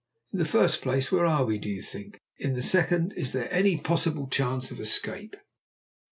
In the first place, where are we, do you think? In the second, is there any possible chance of escape?"